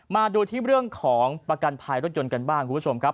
มาดูที่เรื่องของประกันภัยรถยนต์กันบ้างคุณผู้ชมครับ